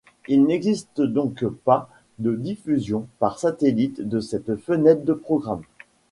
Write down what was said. Il n'existe donc pas de diffusion par satellite de cette fenêtre de programme.